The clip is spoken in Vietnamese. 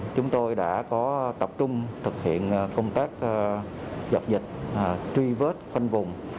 chúng tôi đã có tập trung thực hiện công tác dập dịch truy vết khoanh vùng